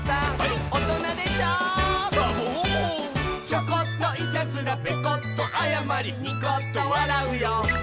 「チョコッといたずらペコッとあやまりニコッとわらうよ」